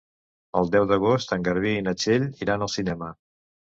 El deu d'agost en Garbí i na Txell iran al cinema.